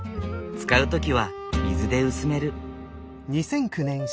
使う時は水で薄める。